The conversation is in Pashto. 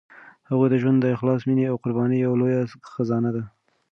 د هغوی ژوند د اخلاص، مینې او قربانۍ یوه لویه خزانه ده.